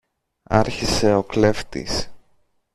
άρχισε ο κλέφτης.